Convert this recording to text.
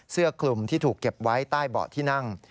เสื้อคลุมที่ถูกเก็บไว้ใต้เบาะที่นั่ง